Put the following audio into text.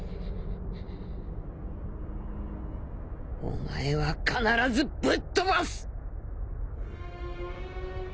お前は必ずぶっ飛ばす！